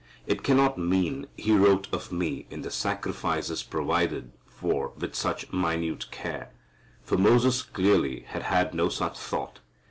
It cannot mean, he wrote of me in the sacrifices provided for with such minute care. For Moses clearly had had no such thought.